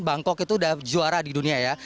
bangkok itu sudah juara di dunia ya